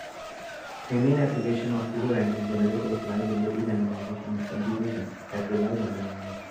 A main application of pseudorandom generators lies in the de-randomization of computation that relies on randomness.